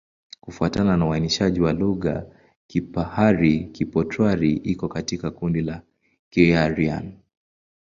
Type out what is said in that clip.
Kufuatana na uainishaji wa lugha, Kipahari-Kipotwari iko katika kundi la Kiaryan.